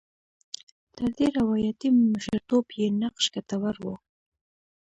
تر دې روایاتي مشرتوب یې نقش ګټور و.